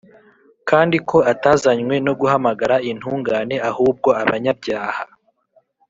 kandi ko atazanywe no guhamagara intungane ahubwo abanyabyaha.